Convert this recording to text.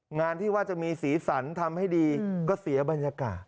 งานที่ว่าจะมีสีสันทำให้ดีก็เสียบรรยากาศ